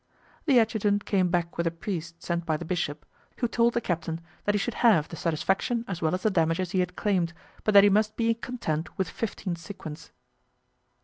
The adjutant came back with a priest sent by the bishop, who told the captain that he should have the satisfaction as well as the damages he had claimed, but that he must be content with fifteen sequins.